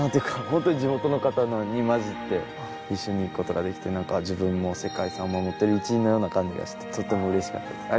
本当に地元の方に交じって一緒に行く事ができてなんか自分も世界遺産を守ってる一員のような感じがしてとってもうれしかったです。